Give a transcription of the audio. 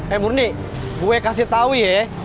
eh murni gue kasih tau ya